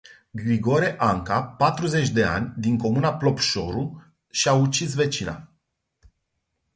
Grigore Anca patruzeci de ani din comuna Plopșoru, și-a ucis vecina.